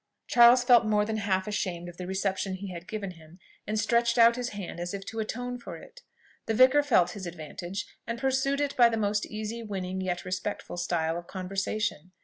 Charles felt more than half ashamed of the reception he had given him, and stretched out his hand as if to atone for it. The vicar felt his advantage, and pursued it by the most easy, winning, yet respectful style of conversation.